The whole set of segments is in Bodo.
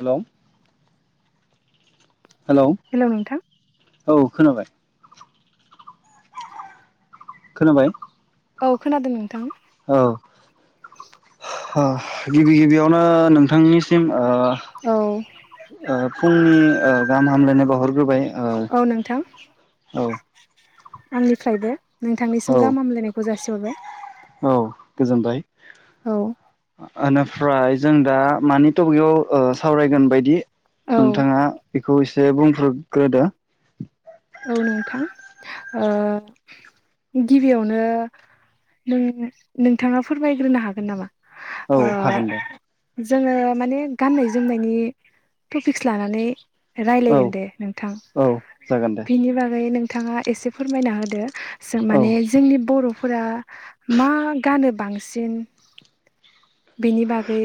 हेलौ हेल' नोंथां। औ खोनाबाय। खोनाबाय औ खोनादों नोंथां। औ गिबि गिबियावनो नोंथांनिसिम ओ औ ओ फुंनि ओ गाहाम हामलायनाय बावहरग्रोबाय औ नोंथां ओ औ। आंनिफ्रायबो नोंथांनिसिम औ गाहाम हामलायनायखौ जासिहरबाय। औ गोजोनबाय औ ओनोफ्राय जों दा मानि टपिकआव ओ सावरायगोन बायदि औ नोंथाङा खौ एसे बुंफ्रोदग्रोदो। औ नोंथां ओ गिबियावनो नों-नोंथाङा फोरमायग्रोनो हागोन नामा? औ ओ हागोन दे। जोङो माने गाननाय-जोमनायनि टपिक्स लानानै औ रायलायगोन दे नोंथां। औ जागोन दे बिनि बागै नोंथाङा एसे फोरमायना होदो। जों औ माने जोंनि बर'- फोरा मा गानो बांसिन बेनि बागै।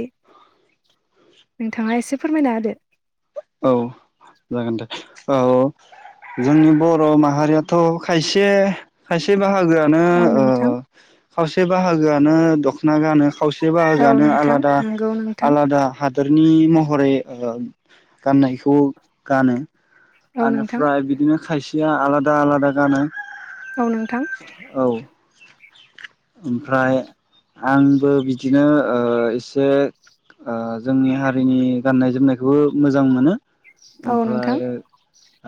नोंथाङा एसे फोरमायना होदो। औ जागोन दे। औ जोंनि बर' माहारियाथ खायसे खायसे बाहागोआनो औ ओ नोंथां खावसे बाहागोआनो दखना गानो खावसे औ बाहागोआनो नोंथां आलादा। नंगौ नोंथां आलादा हादोरनि महरै ओ गाननायखौ गानो। औ नोंथां आनोफ्राय बिदिनो खायसेया आलादा आलादा गानो। औ नोंथां। औ ओमफ्राय आंबो बिदिनो ओ एसे ओ जोंनि हारिनि गाननाय जोमनायखौबो मोजां मोनो। औ नोंथां ओमफ्राय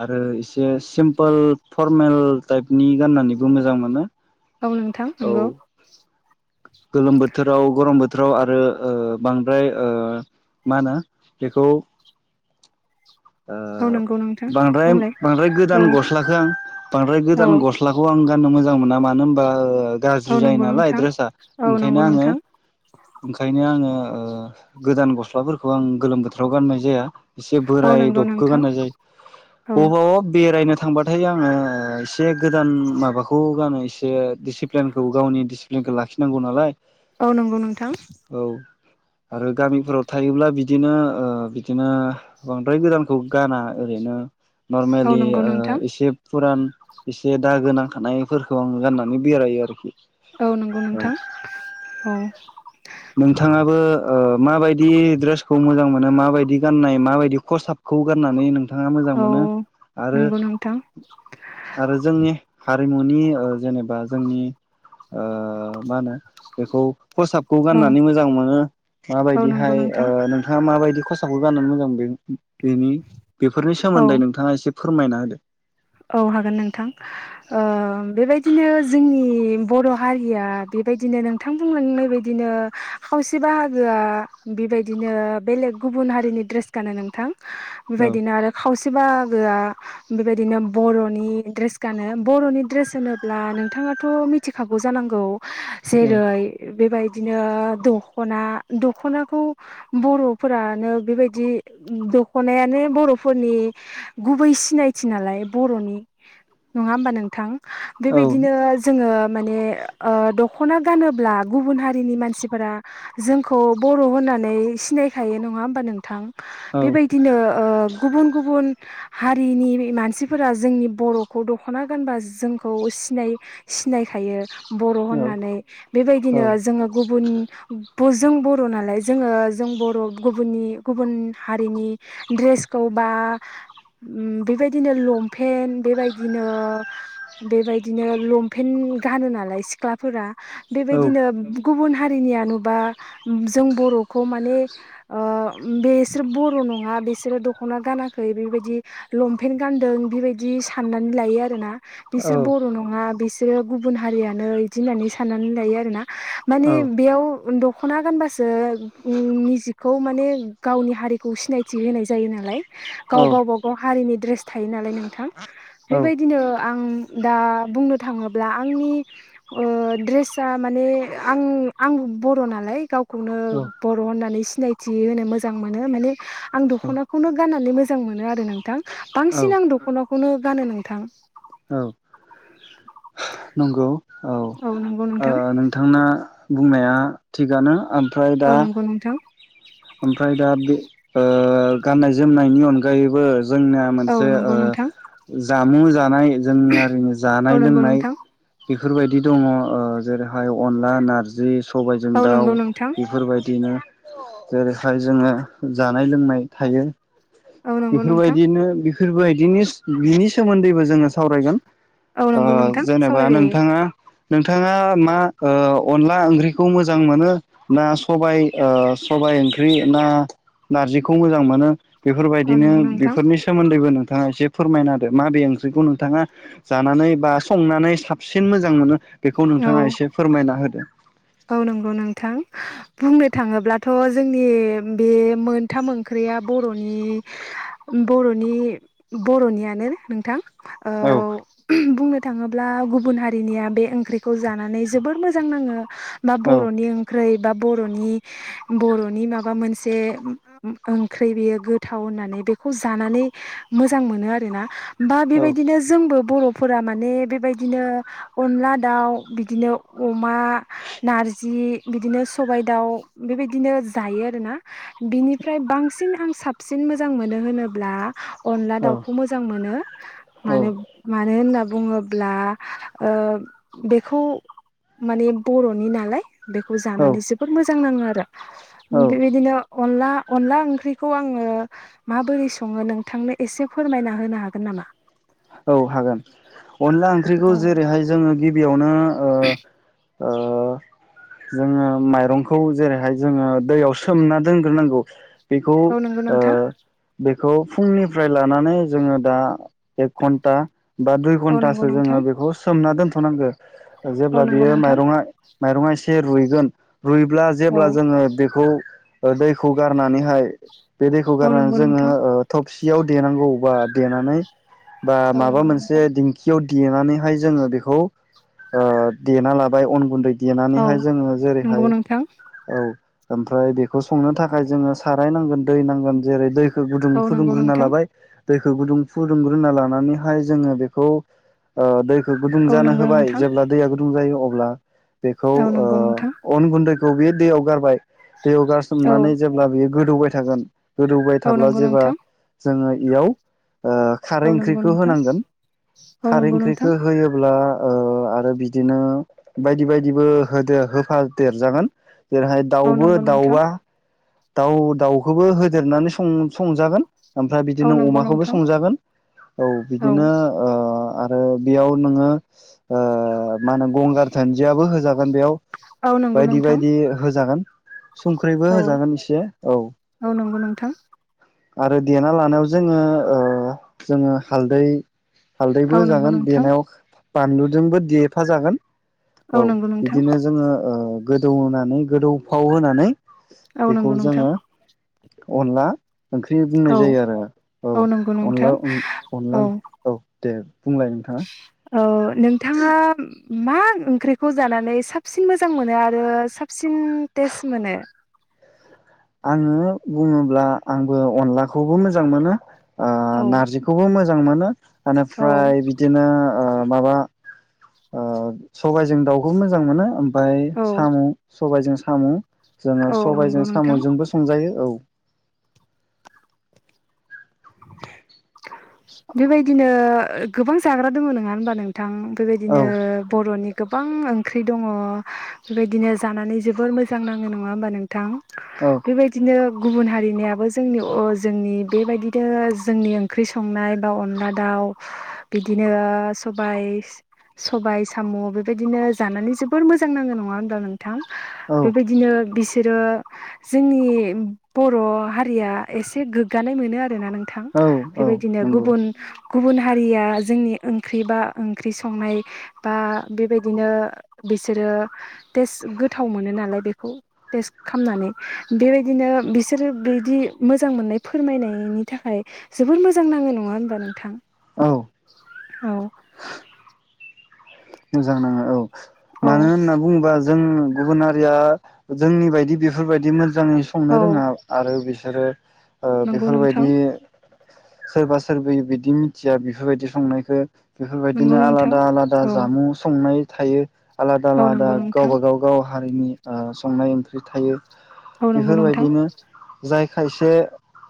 आरो एसे सिम्पोल फरमेल टाइपनि गाननानैबो मोजां मोनो। औ नोंथां औ नंगौ। गोलोम बोथोराव गरम बोथोर- राव आरो ओ बांद्राय ओ मा होनो बेखौ औ ओ नंगौ नोंथां बांद्राय बुंलाय बांद्राय औ गोदान गस्लाखो आं बांद्राय औ गोदान गस्लाखौ आं गाननो मोजां मोना। मानो होमबा ओ गाज्रि औ जायो नंगौ नालाय नोंथां द्रेसा औ ओंखायनो नंगौ आङो नोंथां ओंखायनो आङो ओ गोदान गस्लाफोरखौ आं गोलोम बोथोराव गाननाय जाया। एसे औ बोराय नंगौ दबखौ नोंथां गाननाय जायो। औ बबावबा बेरायनो थांबाथाय आङो एसे गोदान माबाखौ गानो एसे डिसिप्लिनखौ गावनि डिसि खौ लाखिनांगौ नालाय। औ नंगौ नोंथां। औ आरो गामिफोराव थायोब्ला बिदिनो ओ बिदिनो बांद्राय गोदान- खौ गाना ओरैनो औ नर्मेलि नंगौ ओ नोंथां एसे फुरान एसे दागो नांखानायफोरखौ आङो गाननानै बेरायो आरोखि। औ नंगौ नोंथां औ। नोंथाङाबो ओ माबायदि ड्रेसखौ मोजां मोनो माबायदि गाननाय माबायदि खसाबखौ गाननानै नों- थाङा मोजां औ नंगौ नोंथां औ मोनो आरो नंगौ आरो जोंनि हा मुंनि ओ जेनेबा जोंनि ओ मा होनो बेखौ खसाब- खौ गाननानै मोजां मोनो माबायदिहाय नोंथां ओ नोंथाङा माबायदि खसाबखौ गाननो मोजां बें बेनि बेफोरनि औ सोमोन्दै नोंथाङा एसे फोरमायना होदो। औ हागोन नोंथां। ओ बेबायदिनो जोंनि बर हारिया बे बायदिनो नोंथां बुंलांनाय बायदिनो खावसे बाहागोआ बेबायदिनो बेलेग गुबुन हारिनि ड्रेस गानो नोंथां औ बेबायदिनो आरो खावसे बाहागोआ बेबायदिनो बर'नि ड्रेस गानो बरनि ड्रेस होनोब्ला नोंथाङाथ मिथिखागौ जानांगौ। जेरै बेबाय- बिदिनो दखना दखनाखौ बर'फोरानो बेबायदि दखनायानो बरफोरनि गुबै सिनायथि नालाय। बरनि नङा होमबा नोंथां। बेबायदिनो औ जोङो माने ओ दख'- दखना गानोब्ला गुबुन हारिनि मानसिफोरा जोंखौ बर' होननानै सिनायखायो नं- आ होमबा नोंथां। औ बेबायदिनो गुबन गुबन हारिनि मानसि- फोरा जोंनि बरखौ दख'ना गानबा जोंखौ सिनाय सिनाय नायखायो बर औ होननानै औ बेबायदिनो जोङो गुबन जों बर' नालाय जोङो जों बर' गुबुननि गुबुन हारिनि ड्रेसखौ बा- बा ओम बेबायदिनो लंम लंपेन्ट बेबायदिनो बेबायदिनो लंपेन्ट गानो नालाय सिख्लाफोरा औ बेबायदिनो गुबुन हारिनिया नुबा जों बर'खौ माने ओ बेसोर बर' नङा बिसोरो दख'ना गानाखै बेबायदि लंपेनट गानदों बेबायदि साननानै लायो आरोना औ बिसोर बर' नङा बिसोर बिसोरो गुबुन हारियानो बिदि होननानै साननानै लायो आरोना माने औ बेयाव दख दख'ना गानबासो निजिखौ माने गावनि हारिखौ सिनायथि होनाय जायो नालाय गाव औ गावबा गाव हारिनि ड्रेस थायो नालाय नोंथां बेबायदिनो आं दा बुंनो थाङोब्ला आंनि ओ ड्रेसा माने आं आंबो बर' नालाय गावखौनो बर' होननानै सिनायथि होनो मोजां मोनो माने आं आं दख'नाखौनो गाननानै मोजां मोनो आरो नोंथां औ बांसिन आं दख'नाखौ खौनो गानो नोंथां। औ नंगौ। औ नंगौ नोंथां। नोंथांना बुंनाया थिगानो ओमफ्राय औ दा नंगौ नोंथां ओमफ्राय दा बे ओ गाननाय जोमनायनि अनगायैबो जोंनिया औ मोनसे ओ नंगौ नोंथां जामुं जानाय जोंनि हारिनि जानाय औ नंगौ लोंनाय नोंथां बेफोरबायदि दङ'ओ जेरैहाय अनला, नारजि सबायाइजों औ दाउ नंगौ नोंथां बेफोरबायदिनो जेरैहाय जोङो जानाय लोंनाय थायो। औ नंगौ नोंथां बेफोरबायदिनो बेफोरबायदिनि बिनि सोमोन्दैबो जोङो सावरायगोन। औ ओ नंगौ नोंथां जेनेबा सावरायजायो नोंथाङा नोंथाङा मा ओ अनला ओंख्रि खौ मोजां मोनो ना सबाइ ओ सबाइ ओ ओंख्रि ना नारजिखौ मोजां मोनो औ बेफोरबायदिनो नंगौ नोंथां बेफोरनि सोमोन्दैबो नों नोंथाङा एसे फोरमायना होदो माबे ओंख्रिखौ नोंथाङा जानानै बा संनानै साबसिन मोजां मोनो? बेखौ औ नोंथाङा एसे फोरमायना होदो। औ नंगौ नोंथां बुंनो थाङोब्लाथ'जोंनि बे मोनथाम ओंख्रिया बर'नि नि बर'नि बर'नियानो नोंथां। औ [unintelligible] बुंनो थाङोब्ला गुबुन हारिनिया बे ओंख्रिखौ जानानै जोबोर मोजां नाङो। बा औ बर'नि ओंख्रै बा बर'नि बर'नि माबा मोनसे ओंख्रि बेयो गोथाव होननानै बेखौ जानानै मोजां मोनो आरोना बा औ बेबायदिनो जोंबो बर'फोरा माने बेबायदिनो अनला दाउ बिदिनो अमा नारजि बिदिनो सबाइ दाउ बेबायदिनो जायो आरोना बिनिफ्राय बांसिन आं साबसिन मोजां मोनो होनोब्ला अनला औ दाउखौ मोजां मोनो औ मानो मानो होनना बुङोब्ला ओ बेखौ माने ओ बर'नि नालाय बेखौ औ जानानै जोबोर मोजां नाङो आरो औ बेबायदिनो अनला अनला ओंख्रिखौ आङो माबोरै सङो नोंथांनो एसे फोरमायना होनो हागोन नामा? नामा औ हागोन अनला ओंख्रिखौ औ जेरैहाय जोङो गिबियावनो ओ ओ जोङो माइरंखौ जेरैहाय जोङो दैयाव सोमना दोनग्रोनांगौ। बेखौ नंगौ आ नोंथां बेखौ फुंनिफ्राय लानानै जोङो दा एक घन्टा बा दुइ औ नंगौ घन्टासो नोंथां जोङो बेखौ सोमना दोनथ'नांगौ। औ जेब्ला नंगौ बियो नोंथां माइरङा माइरङा एसे रुइगोन रुइब्ला जेब्ला औ जोङो बेखौ दैखौ गारनानैहाय बे दैखौ औ गारनानै नंगौ जोङो नोंथां थबसियाव देनांगौ बा देनानै बा औ माबा नंगौ मोनसे नोंथां दिंखियाव देनानैहाय जोङो बेखौ देना ओ लाबाय अन गुन्दै औ देनानैहाय जोङो जेरैहाय नंगौ नोंथां औ ओमफ्राय बेखौ संनो थाखाय जोङो साराय नांगोन दै नांगोन जेरै दै गुदुं औ नंगौ फुदुंग्रोना नोंथां लाबाय दैखौ गुुदुं फुदुंग्रोना लानानै हाय जोंङो बेखौ ओ दै गुदुं औ जानो नंगौ नोंथां होबाय जेब्ला दैया गुदुं जायो अब्ला बेखौ औ ओ नंगौ नोंथां अन गुन्दै खौ बे दैयाव गारबाय दैयाव औ गारसोमनानै जेब्ला बियो गोदौबाय थागोन गोदौबाय औ थाब्ला नंगौ जेब्ला नोंथां जोंङो इयाव ओ औ खारै नंगौ ओंख्रिखौ नोंथां होनांगोन औ खारै नंगौ नोंथां ओंख्रिखो होयोब्ला ओ आरो बिदिनो बायदि बायदिबो होद होफा देरजागोन जेरैहाय औ दाउबो नंगौ नोंथां दाउबा दाउ दाउखोबो होदेरनानै सं-संजागोन। ओमफ्राय औ बिदिनो नंगौ अमाखौबो नोंथां संजागोन। औ बिदिनो ओ ओ बेयाव नोङो ओ मा होनो गंगार धोनदियाबो होजा बेयाव औ नंगौ बायदि नोंथां बायदि होजागोन संख्रिबो औ होजागोन एसे औ औ नंगौ नोंथां आरो देना लानायाव जोङो ओ जोङो हालदै औ हालदैबो नंगौ जागोन नोंथां देनायाव बानलुजोंबो देफा जागोन औ नंगौ नोंथां बिदिनो जोङो ओ गोदौनानै गोदौफाव होनानै औ बेखौ नंगौ नोंथां। जोङो अनला ओंख्रि बुंनाय औ जायो आरो औ नंगौ अनला नोंथां अनला औ ओ औ दे बुंलाय नोंथाङा औ नोंथाङा मा ओंख्रिखौ जानानै साबसिन मोजां मोनो आरो साबसिन टेस्ट मोनो? आङो बुङोब्ला आंबो अनलाखौबो मोजां मोनो ओ औ नारजिखौबो मोजां मोनो औ बेनिफ्राय बिदिनो ओ माबा ओ सबायजों दाउखौ मोजां मोनो ओफ्राय औ साम' सबाइजों साम' जोङो औ नंगौ सबाइजों नोंथां साम'जोंबो संजायो बे औ। बेबायदिनो गोबां जाग्रा दङ नङा होनबा नोंथां? औ बेबायदिनो बर'नि गोबां ओंख्रि दङ बेबायदिनो जानानै जोबोर मोजां नाङो नङा होमबा नों थां औ बेबायदिनो गुबुन हारिनियाबो जोंनि जोंनि बेबायदिनो जोंनि ओंख्रै संनाय बा अनला दाउ बिदिनो सबाय सबाय साम' बेबायदिनो जानानै जोबोर मोजां नाङो नङा होनबा नों थां औ बेबायदिनो बि बिसोरो जोंनि बर' हारिया एसे गोग्गानाय मोनो आरो ना नोंथां औ औ बेबायदिनो नंगौ गुबुन गुबुन हारिया जोंनि ओंख्रि बा ओंख्रि संनाय बा बेबायदिनो बिसोरो टेस्ट गोथाव मोनो नालाय बेखौ टेस्ट खालामनानै बेबायदिनो बिसोरो बिदि मोजां मोननाय फोरमायनायनि थाखाय जोबोर मोजां नाङो नङा होनोमबा नोंथां? औ। औ। मोजां नाङो औ औ मानो होनना बुङोबा जों गुबुन हारिया जोंनि बायदि बेफोरबायदि मोजाङै संनो औ रोङा आरो बि बिसोरो ओ नंगौ नोंथां बेफोरबायदि सोरबा सोरबि बिदि मिथिया बेफोरबायदि संनायखौ नंगौ बेफोरबायदिनो नोंथां आलादा आलादा औ जामुं संनाय थायो आलादा औ आलादा नंगौ नोंथां गावब गाव गाव हारिनि ओ संनाय ओंख्रि थायो। औ नंगौ नोंथां बेफोरबायदिनो जाय खायसे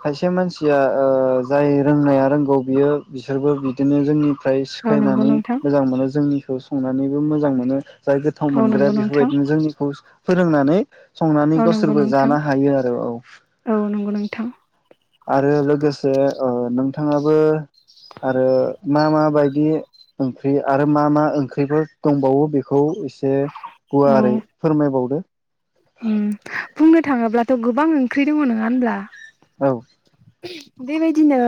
खायसे मानसिया ओ जाय रोंनाया रोंगौ बियो बिसोरबो बिदिनो जोंनि फ्राय औ नंगौ सिखायनानै नोंथां मोजां मोनो जोंनिखौ संनानैबो मोजां मोनो। जाय गोथाव औ मोनग्रा नंगौ नोंथां बेफोरबायदिनो जोंनिखौ फोरोंनानै संनानै औ नंगौ गावसोरबो नोंथां जानो हायो आरो औव। औ नंगौ नोंथां आरो लोगोसे ओ नोंथां थाङाबो आरो मा म बायदि ओंख्रि आरो मा मा ओंख्रिफोर दंबावो बेखौ एसे औ गुवारै फोरमायबावदो उम बुंनो थाङोब्लाथ' गोबां ओंख्रि दङ नङा होनब्ला। औ देबायदिनो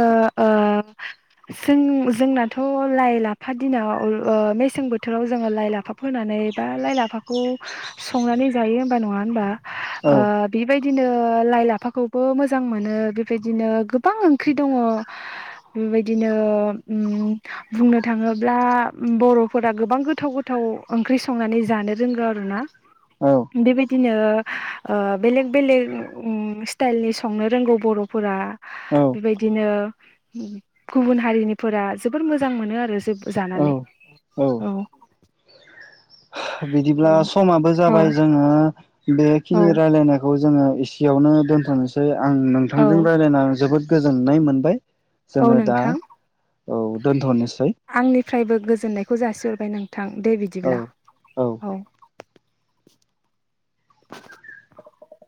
ओ [unintelligible] जों जोंनाथ' लाइ लाफा दिनाव ओ मेसें बोथोराव जोङो लाइ लाफा फोनानै बा लाइ लाफाखौ संनानै जायो हमबा नङा हमबा औ बेबायदि बिदिनो लाइ लाफाखौबो मोजां मोनो बिदिनो गोबां ओंख्रि दङ बेबायदिनो उम बुंनो थाङो ब्ला बर'फोरा गोबां गोथाव गोथाव ओंख्रि संनानै जानो रोंगौ आर ना। औ बेबायदिनो ओ ओ बेलेग बेलेक स्टाइलनि संनो रोंगौ बर'फोरा। औ बेबायदिनो गुबुन हारिनिफोरा जोबोर मोजां मोनो आरो जो जानानै औ औ औव। बिदिब्ला समाबो औ जाबाय जोङो बेखिनि औ रायलायनायखौ जोङो इयावनो दोनथ'नोसै आं नोंथांजों रायज्लायनानै जोबोद गोजोननाय मोनबाय। औ जोङो दा नोंथां औव दोनथ'नोसै। आंनिफ्रायबो गोजोननायखौ जासिहरबाय नोंथां दे औ बिदिब्ला औ औव। [unintelligible]